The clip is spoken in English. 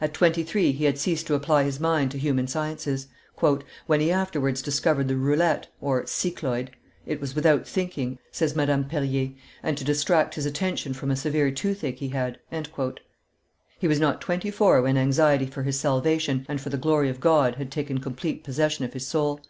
At twenty three he had ceased to apply his mind to human sciences; "when he afterwards discovered the roulette (cycloid), it was without thinking," says Madame Perier, "and to distract his attention from a severe tooth ache he had." He was not twenty four when anxiety for his salvation and for the glory of God had taken complete possession of his soul.